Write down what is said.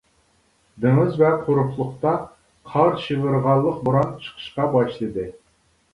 دېڭىز ۋە قۇرۇقلۇقتا قار-شىۋىرغانلىق بوران چىقىشقا باشلىدى.